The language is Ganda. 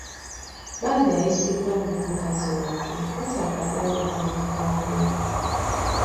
Bambi ayisiddwa bubi mukazi wattu anti akagaali kaamukoonye.